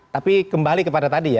tapi kembali kepada tadi ya